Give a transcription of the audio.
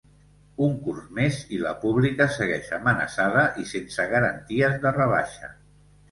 Un curs més i la pública segueix amenaçada i sense garanties de rebaixa.